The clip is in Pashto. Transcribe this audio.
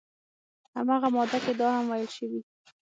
همغه ماده کې دا هم ویل شوي